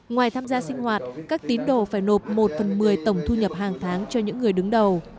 ngoài tham gia sinh hoạt các tín đồ phải nộp một phần một mươi tổng thu nhập hàng tháng cho những người đứng đầu